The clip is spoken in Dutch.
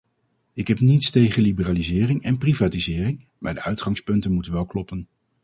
Ik heb niets tegen liberalisering en privatisering, maar de uitgangspunten moeten wel kloppen.